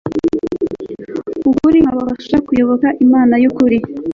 ukuri nkabafasha kuyoboka imana y ukuri